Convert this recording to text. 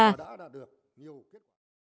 cảm ơn các bạn đã theo dõi và hẹn gặp lại